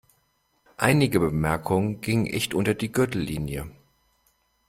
Einige Bemerkungen gingen echt unter die Gürtellinie.